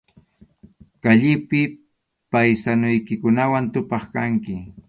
Kallipi paysanuykikunawan tupaq kanki.